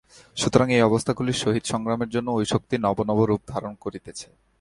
সুতরাং এই অবস্থাগুলির সহিত সংগ্রামের জন্য ঐ শক্তি নব নব রূপ ধারণ করিতেছে।